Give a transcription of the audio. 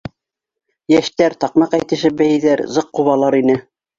Йәштәр, таҡмаҡ әйтешеп, бейейҙәр, зыҡ ҡубалар ине.